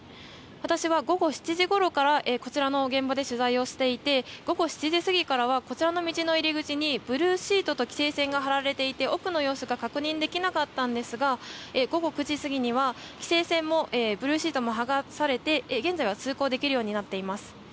私は午後７時ごろからこちらの現場で取材をしていて午後７時過ぎからはこちらの道の入り口にブルーシートと規制線が張られていて奥の様子が確認できなかったんですが午後９時過ぎには規制線もブルーシートも剥がされて現在は通行できるようになっています。